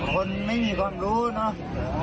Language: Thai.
คนไม่มีความรู้เนาะ